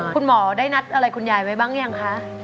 คุณหมอได้นัดอะไรคุณยายไว้บ้างยังคะ